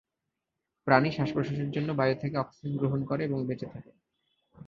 প্রাণী শ্বাস-প্রশ্বাসের জন্য বায়ু থেকে অক্সিজেন গ্রহণ করে এবং বেঁচে থাকে।